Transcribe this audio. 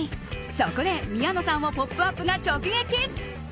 そこで、宮野さんを「ポップＵＰ！」が直撃。